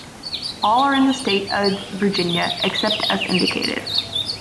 All are in the state of Virginia, except as indicated.